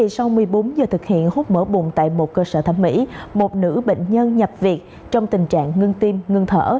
sau một mươi bốn h thực hiện hút mở bụng tại một cơ sở thẩm mỹ một nữ bệnh nhân nhập việc trong tình trạng ngưng tim ngưng thở